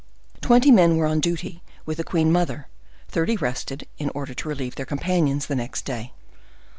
Twenty men were on duty with the queen mother; thirty rested, in order to relieve their companions the next day.